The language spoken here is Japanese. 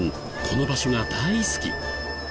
この場所が大好き。